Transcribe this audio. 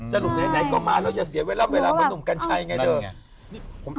สรุปไหนก็มาแล้วอย่าเสียเวลามันหนุ่มกันใช่ไงเถอะ